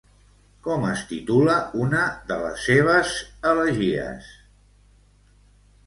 Com es titula una de les seves elegies?